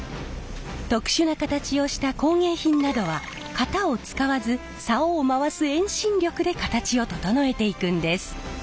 特殊な形をした工芸品などは型を使わずさおを回す遠心力で形を整えていくんです。